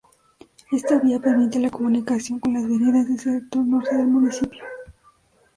Esta vía permite la comunicación con las veredas del sector Norte del Municipio.